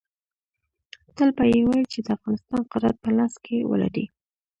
تل به یې ویل چې د افغانستان قدرت په لاس کې ولري.